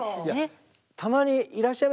たまにいらっしゃいますよね。